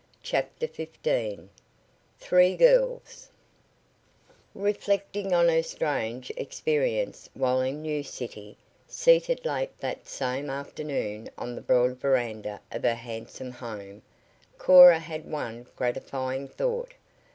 CHAPTER XV THREE GIRLS Reflecting on her strange experience while in New City, seated late that same afternoon on the broad veranda of her handsome home, Cora had one gratifying thought.